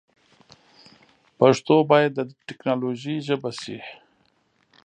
پښتو باید د ټیکنالوژي ژبه سی.